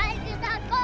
kisah aku nggak ada